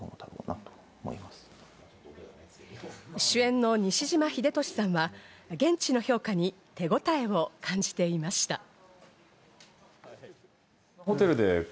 主演の西島秀俊さんは現地の評価に手応えを感じていました。